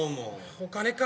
お金か。